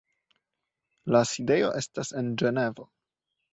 La sidejo estis en Ĝenevo.